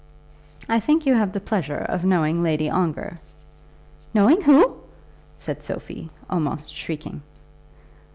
"I think you have the pleasure of knowing Lady Ongar?" "Knowing who?" said Sophie, almost shrieking.